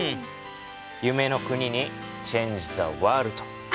夢の国にチェンジ・ザ・ワールド！